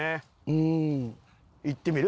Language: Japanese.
うん。いってみる？